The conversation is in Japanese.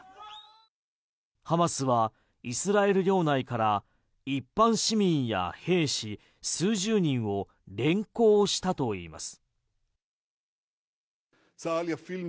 ハマスはイスラエル領内から一般市民や兵士数十人を連行したといいます。